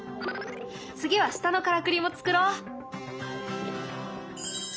次は下のからくりも作ろう。